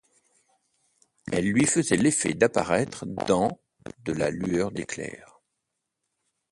Elles lui faisaient l’effet d’apparaître dans de la lueur d’éclair.